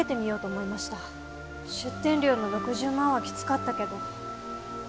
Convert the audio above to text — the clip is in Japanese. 出店料の６０万はきつかったけど。